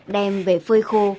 đem về phơi khô